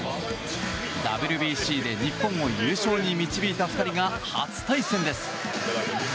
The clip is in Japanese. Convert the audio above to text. ＷＢＣで日本を優勝に導いた２人が初対戦です。